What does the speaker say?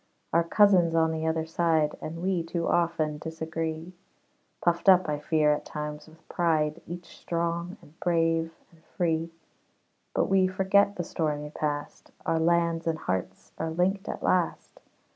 Our cousins on the other side And we too often disagree; Puffed up, I fear, at times, with pride, Each strong, and brave, and free; But we forget the stormy past, Our lands and hearts are linked at last.